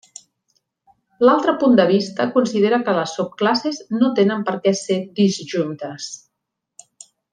L'altre punt de vista considera que les subclasses no tenen per què ser disjuntes.